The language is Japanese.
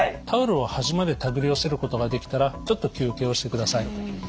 タオルを端までたぐり寄せることができたらちょっと休憩をしてください。